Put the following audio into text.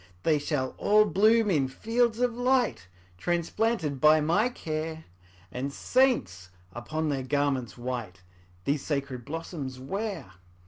``They shall all bloom in fields of light, Transplanted by my care, And saints, upon their garments white, These sacred blossoms wear.''